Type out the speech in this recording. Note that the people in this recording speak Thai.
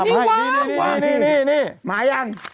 มาหรือยัง